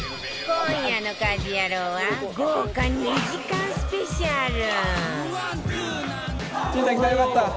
今夜の「家事ヤロウ！！！」は豪華２時間スペシャル。